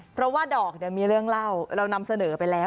เพราะว่าดอกเนี่ยมีเรื่องเล่าเรานำเสนอไปแล้ว